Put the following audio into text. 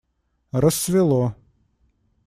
Рассвело.